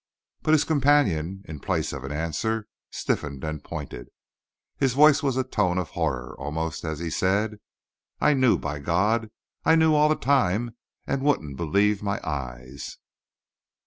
But his companion, in place of answer, stiffened and pointed. His voice was a tone of horror, almost, as he said: "I knew, by God, I knew all the time and wouldn't believe my eyes."